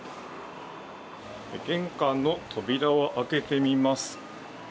玄関の扉を開けてみます。